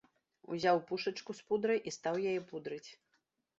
Узяў пушачку з пудрай і стаў яе пудрыць.